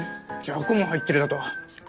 じゃこも入ってるだと？